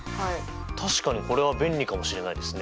確かにこれは便利かもしれないですね。